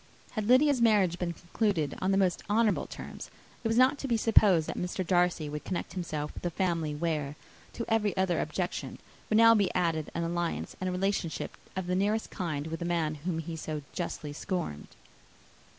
Had Lydia's marriage been concluded on the most honourable terms, it was not to be supposed that Mr. Darcy would connect himself with a family, where to every other objection would now be added an alliance and relationship of the nearest kind with the man whom he so justly scorned.